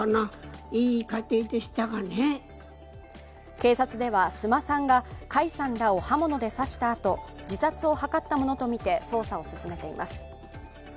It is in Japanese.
警察では須磨さんが甲斐さんらを刃物で刺したあと、自殺を図ったものとみて捜査を進めています。